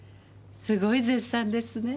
すごい絶賛ですね。